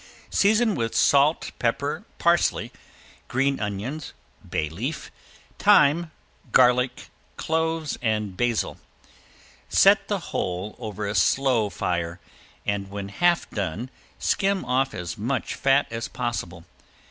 Season with salt, pepper, parsley, green onions, bay leaf, thyme, garlic, cloves, and basil. Set the whole over a slow fire and when half done skim off as much fat as possible.